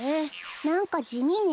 なんかじみね。